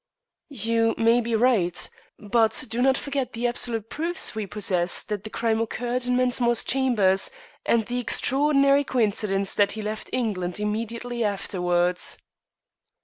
"You may be right. But do not forget the absolute proofs we possess that the crime occurred in Mensmore's chambers, and the extraordinary coincidence that he left England immediately afterwards."